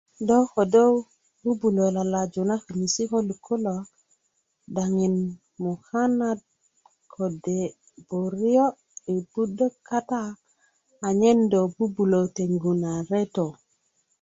do ködö bubulö lalaju na könis köluk kulo daŋin mukanat kode' buryo' yi budök kata anyen do bubulö teŋgu na reto